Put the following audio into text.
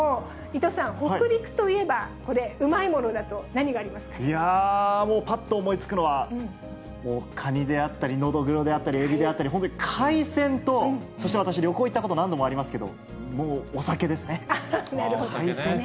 伊藤さん、北陸といえば、これ、いやぁ、もう、ぱっと思いつくのは、かにであったり、のどぐろであったり、えびであったり、本当に海鮮と、そして私、旅行行ったこと、何度もありますけど、なるほど。